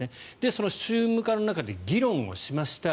その宗務課の中で議論をしました。